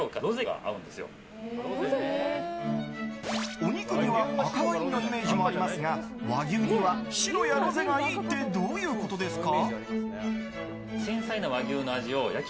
お肉には赤ワインのイメージもありますが和牛には、白やロゼがいいってどういうことですか？